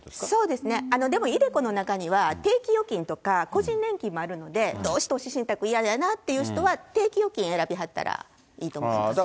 そうですね、でもｉＤｅＣｏの中には、定期預金とか個人年金もあるので、どうしても投資信託嫌やなという人は、定期預金選びはったらいいと思うんです。